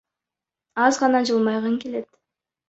Аз гана жылмайгың келет.